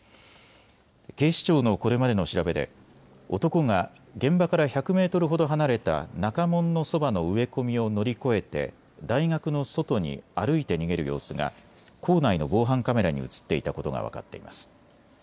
警視庁のこれまでの調べで男が現場から１００メートルほど離れた中門のそばの植え込みを乗り越えて大学の外に歩いて逃げる様子が校内の防犯カメラに写っていたことが分かっています。